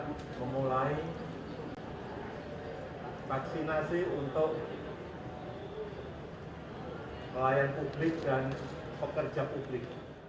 kita memulai vaksinasi untuk pelayan publik dan pekerja publik